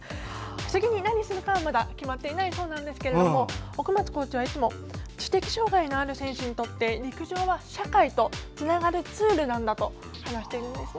次に何をするかは決まっていないそうですが奥松コーチはいつも知的障がいのある選手にとって陸上は社会とつながるツールなんだと話しているんですね。